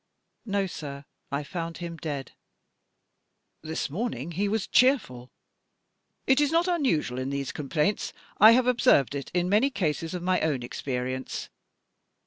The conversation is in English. "No, sir; I found him dead." "This morning he was cheerful. It is not unusual in these complaints. I have observed it in many cases of my own experience.